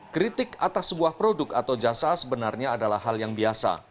kritik atas sebuah produk atau jasa sebenarnya adalah hal yang biasa